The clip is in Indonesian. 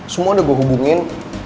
semua udah gue hubungin